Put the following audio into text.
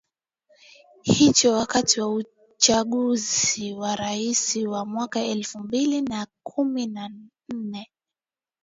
hicho wakati wa uchaguzi wa raia wa mwaka elfu mbili na kumi na nne